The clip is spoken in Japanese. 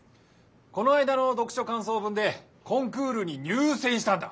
この間の読書かんそう文でコンクールに入せんしたんだ。